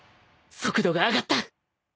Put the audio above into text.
速度が上がった